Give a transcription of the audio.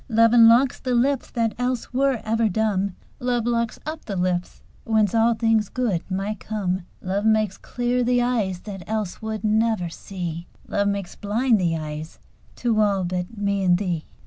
Love unlocks the lips that else were ever dumb: "Love locks up the lips whence all things good might come." Love makes clear the eyes that else would never see: "Love makes blind the eyes to all but me and thee."